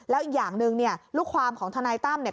แล้วอีกอย่างหนึ่งเนี่ยลูกความของทนายตั้มเนี่ย